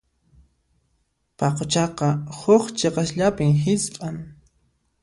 Paquchaqa huk chiqasllapi hisp'an.